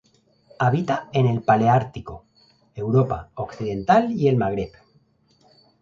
Habita en el paleártico: Europa Occidental y el Magreb.